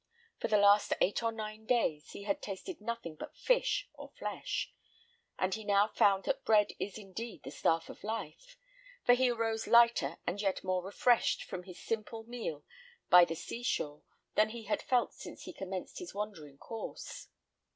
For the last eight or nine days he had tasted nothing but fish or flesh; and he now found that bread is indeed the staff of life; for he arose lighter and yet more refreshed from his simple meal by the sea shore than he had felt since he commenced his wandering course.